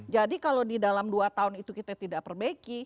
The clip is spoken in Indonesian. jadi kalau di dalam dua tahun itu kita tidak perbaiki